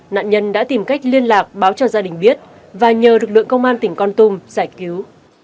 nạn nhân đã tìm cách liên lạc báo cho gia đình biết và nhờ lực lượng công an tỉnh con tum giải cứu